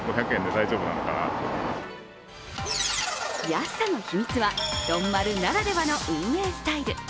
安さの秘密は丼丸ならではの運営スタイル。